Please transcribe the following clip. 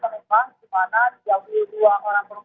tapi para korban tidak dibawa ke rumah sakit